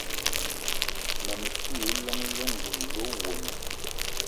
Ma me ti yi llong lengouna le owono.